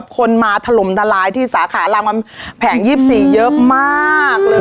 คนมาถล่มทลายที่สาขาลางมันแผง๒๔เยอะมาก